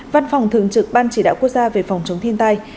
văn phòng thường trực ban chỉ đạo quốc gia về phòng chống thiên tai